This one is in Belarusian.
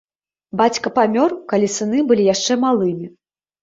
Бацька памёр, калі сыны былі яшчэ малымі.